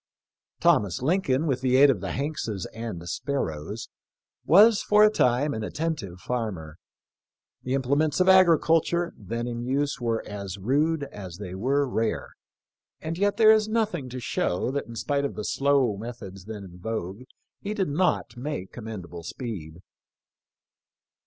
Thomas Lincoln, with the aid of the Hankses and Sparrows, was for a time an attentive farmer. The implements of agriculture then in use were as rude as they were rare, and yet there is nothing to show that in spite of the slow methods then in vogue he did not make commendable speed.